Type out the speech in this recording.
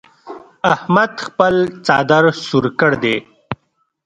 احمد خپل څادر سور کړ دی.